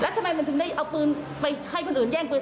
ทำไมมันถึงได้เอาปืนไปให้คนอื่นแย่งปืน